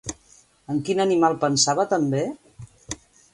En quin animal pensava també?